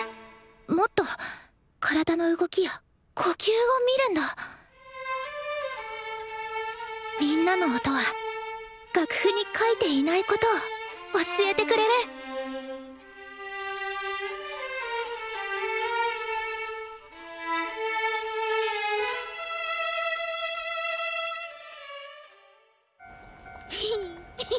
もっと体の動きや呼吸を見るんだみんなの音は楽譜に描いていないことを教えてくれるヒヒヒ。